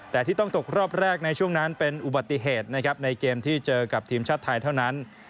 แต่ที่ต้องตกรอบแรกในช่วงนั้นเป็นอุบัติเหตุนะครับในเกมที่เจอกับทีมชาติไทยเท่านั้น